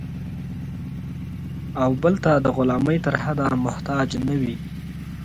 او بل ته د غلامۍ تر حده محتاج نه وي.